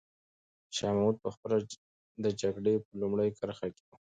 شاه محمود په خپله د جګړې په لومړۍ کرښه کې و.